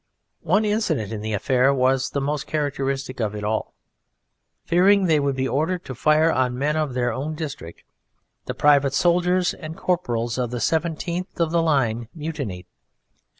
One incident in the affair was the most characteristic of it all: fearing they would be ordered to fire on men of their own district the private soldiers and corporals of the 17th of the Line mutinied.